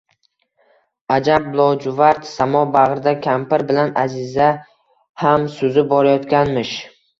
Аjab lojuvard samo bagʼrida kampir bilan Аziza ham suzib borayotganmish…